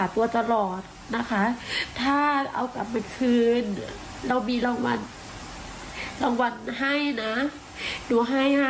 เอาน้องมาคืนนหนู